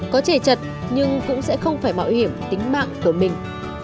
có trẻ chật nhưng cũng sẽ không phải mạo hiểm tính mạng của mình